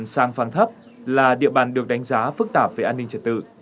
sàng phán thấp là địa bàn được đánh giá phức tạp về an ninh trật tự